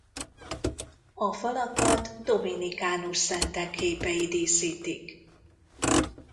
A falakat dominikánus szentek képei díszítik.